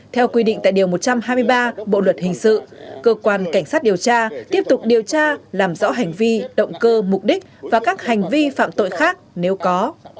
theo quy định tại điều một trăm hai mươi ba bộ luật hình sự cơ quan cảnh sát điều tra tiếp tục điều tra làm rõ hành vi động cơ mục đích và các hành vi phạm tội khác nếu có